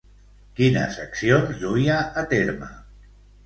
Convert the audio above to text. Quines accions duia a terme?